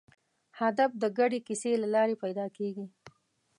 هدف د ګډې کیسې له لارې پیدا کېږي.